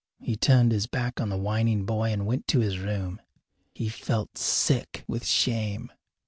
He turned his back on the whining boy and went to his room. He felt sick with shame.